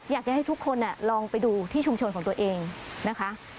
อยากจะให้ทุกคนลองไปดูที่ชุมชนของตัวเองนะคะ